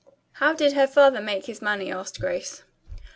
"How did her father make his money?" asked Grace.